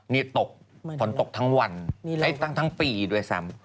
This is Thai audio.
นี่ตกฝนตกทั้งวันทั้งปีด้วยซ้ำ